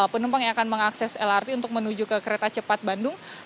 penumpang yang akan mengakses lrt untuk menuju ke kereta cepat bandung